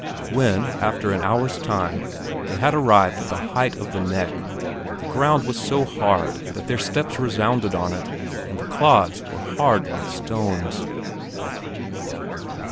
When, after an hour's time, they had arrived at the height of the "neck," the ground was so hard that their steps resounded on it and the clods were hard like stones.